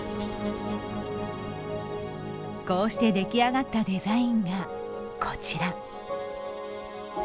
こうして出来上がったデザインがこちら。